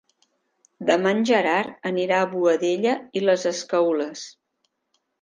Demà en Gerard anirà a Boadella i les Escaules.